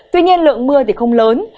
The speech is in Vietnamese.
tuy nhiên lượng mưa thì không lớn